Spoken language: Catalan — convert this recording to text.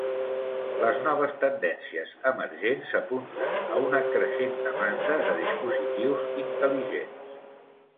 Les noves tendències emergents apunten a una creixent demanda de dispositius intel·ligents.